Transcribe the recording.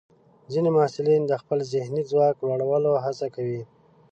ځینې محصلین د خپل ذهني ځواک لوړولو هڅه کوي.